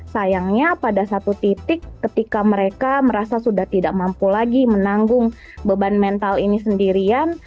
sayangnya pada satu titik ketika mereka merasa sudah tidak mampu lagi menanggung beban mental ini sendirian